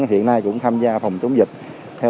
hiện nay cũng tham gia phòng chống dịch